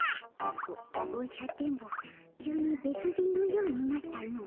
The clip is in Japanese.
おおじゃ電ボ急に別人のようになったの。